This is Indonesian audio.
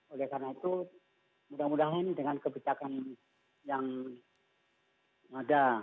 oleh karena itu mudah mudahan dengan kebijakan yang ada